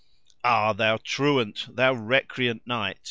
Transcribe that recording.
"Ah! thou tyrant! thou recreant knight!